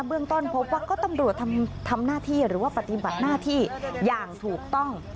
เบื้องต้นพบว่าก็ตำรวจทำหน้าที่หรือว่าปฏิบัติหน้าที่อย่างถูกต้อง